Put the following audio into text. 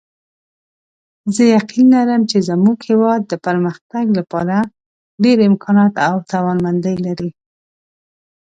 زه یقین لرم چې زموږ هیواد د پرمختګ لپاره ډېر امکانات او توانمندۍ لري